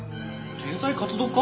天才活動家？